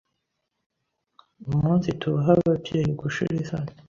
Umunsitubaha ababyeyi, gushira isoni,